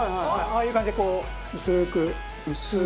ああいう感じでこう薄く。